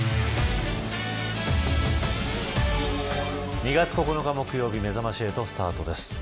２月９日木曜日めざまし８スタートです。